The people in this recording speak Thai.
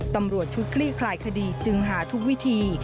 ตำรวจชุดคลี่คลายคดีจึงหาทุกวิธี